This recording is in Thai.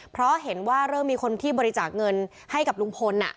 เพราะเห็นว่าเริ่มมีคนที่บริจาคเงินให้กับลุงพล